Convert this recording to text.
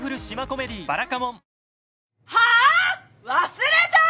忘れた？